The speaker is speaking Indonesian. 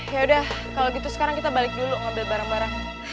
ya udah kalau gitu sekarang kita balik dulu ngambil barang barang